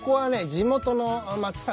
地元の松坂。